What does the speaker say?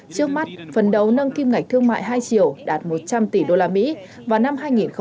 trước mắt phần đầu nâng kim ngạch thương mại hai triệu đạt một trăm linh tỷ đô la mỹ vào năm hai nghìn hai mươi ba